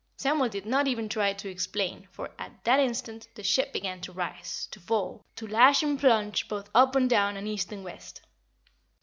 Samuel did not even try to explain, for at that instant the ship began to rise, to fall, to lash and plunge both up and down and east and west.